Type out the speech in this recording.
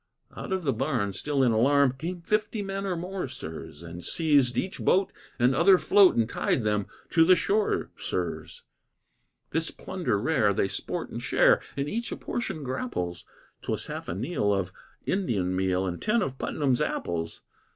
Out of the barn, still in alarm, Came fifty men or more, sirs, And seized each boat and other float And tied them to the shore, sirs. This plunder rare, they sport and share, And each a portion grapples. 'Twas half a kneel of Indian meal, And ten of Putnam's apples.